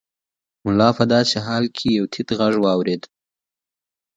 ملا په داسې حال کې یو تت غږ واورېد.